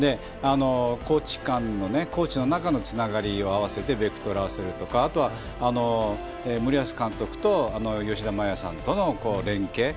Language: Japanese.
コーチ間のコーチの中のつながりを合わせてベクトルを合わせるとか森保監督と吉田麻也さんとの連携。